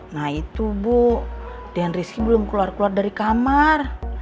nah itu bu dendry belum keluar keluar dari kamar